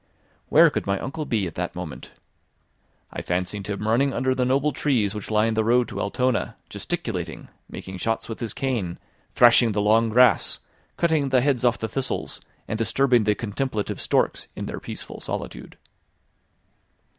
Where could my uncle be at that moment? I fancied him running under the noble trees which line the road to Altona, gesticulating, making shots with his cane, thrashing the long grass, cutting the heads off the thistles, and disturbing the contemplative storks in their peaceful solitude.